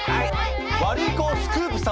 ワルイコスクープ様。